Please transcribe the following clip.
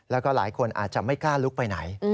แล้วก็หลายคนอาจจะไม่กล้าลุกไปไหน